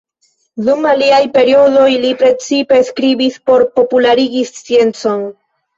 Dum aliaj periodoj li precipe skribis por popularigi sciencon.